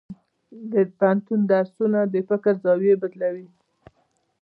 د پوهنتون درسونه د فکر زاویې بدلوي.